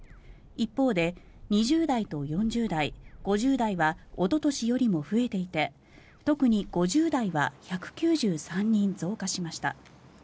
一方で２０代と４０代、５０代はおととしよりも増えていて特に５０代は１９３人増加しました。